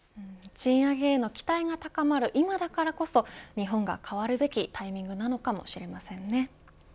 賃上げへの期待が高まる今だからこそ日本が変わるべきタイミングなのかもしれませんね。